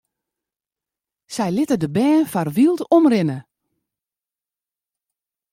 Sy litte de bern foar wyld omrinne.